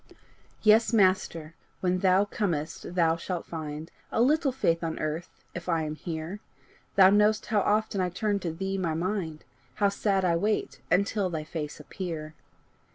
Yes, Master, when thou comest thou shalt find A little faith on earth, if I am here! Thou know'st how oft I turn to thee my mind, How sad I wait until thy face appear!